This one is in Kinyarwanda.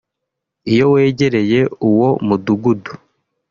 Iyo wegereye uwo mudugudu